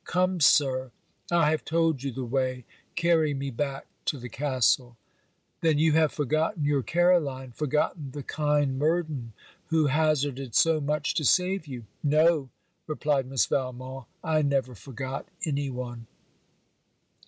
'Come, Sir: I have told you the way, carry me back to the castle.' 'Then you have forgotten your Caroline, forgotten the kind Murden who hazarded so much to save you?' 'No,' replied Miss Valmont, 'I never forgot any one.'